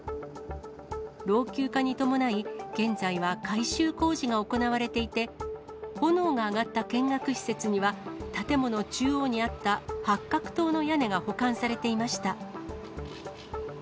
老朽化に伴い、現在は改修工事が行われていて、炎が上がった見学施設には建物中央にあった八角塔の屋根が保管されていました。